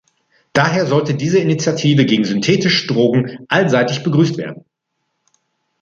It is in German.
Daher sollte diese Initiative gegen synthetische Drogen allseitig begrüßt werden.